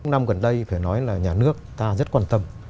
năm năm gần đây phải nói là nhà nước ta rất quan tâm